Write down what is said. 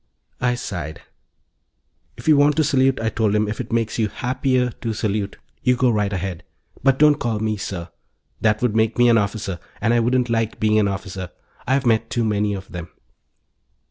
I sighed. "If you want to salute," I told him, "if it makes you happier to salute, you go right ahead. But don't call me 'Sir.' That would make me an officer, and I wouldn't like being an officer. I've met too many of them."